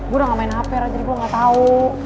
gue udah gak main haper aja gue gak tau